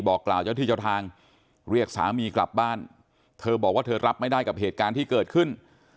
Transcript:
กล่าวเจ้าที่เจ้าทางเรียกสามีกลับบ้านเธอบอกว่าเธอรับไม่ได้กับเหตุการณ์ที่เกิดขึ้น